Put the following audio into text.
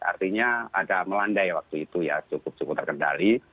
artinya ada melandai waktu itu ya cukup cukup terkendali